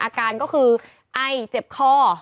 อาการก็คือไอเจ็บคอ